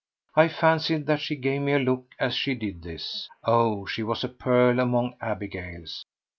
I fancied that she gave me a look as she did this. Oh, she was a pearl among Abigails!